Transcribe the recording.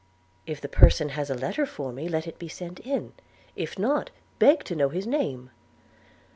If the person has a letter for me, let it be sent in; if not, beg to know his name.'